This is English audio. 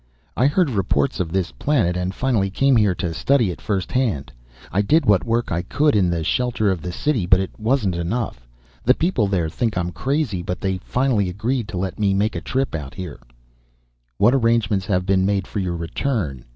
"I heard reports of this planet, and finally came here to study it firsthand. I did what work I could in the shelter of the city, but it wasn't enough. The people there think I'm crazy, but they finally agreed to let me make a trip out here." "What arrangements have been made for your return?"